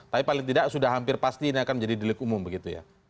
tapi paling tidak sudah hampir pasti ini akan menjadi delik umum begitu ya